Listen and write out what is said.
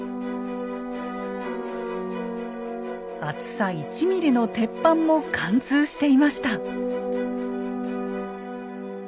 厚さ１ｍｍの鉄板も貫通していました。